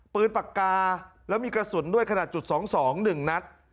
ปืนปากกาแล้วมีกระสุนด้วยขนาดจุด๒๒๑นัด